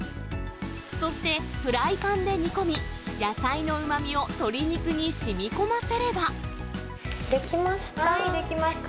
そしてフライパンで煮込み、野菜のうまみを鶏肉にしみこませ出来ました。